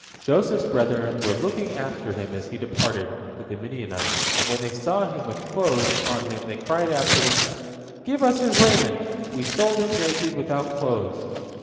Joseph's brethren were looking after him as he departed with the Midianites, and when they saw him with clothes upon him, they cried after them, "Give us his raiment! We sold him naked, without clothes."